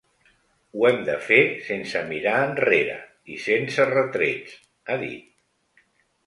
Ho hem de fer sense mirar enrere i sense retrets, ha dit.